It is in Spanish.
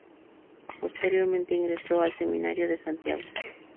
Posteriormente ingresó al Seminario de Santiago.